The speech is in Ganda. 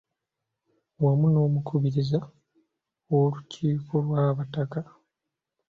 Wamu n’omukubiriza w’olukiiko lw’abataka.